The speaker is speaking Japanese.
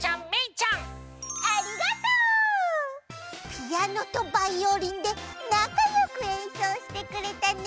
ピアノとバイオリンでなかよくえんそうしてくれたね！